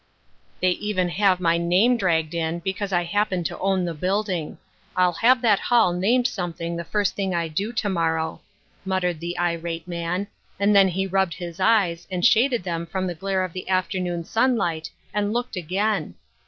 "They even have my name dragged in, because I happen to own the building. I'll have that hall named something the first thing I do to morrow," muttered the irate man; and then he rubbed his eyes, and shaded them from the glare of the after noon sunlight and looked again.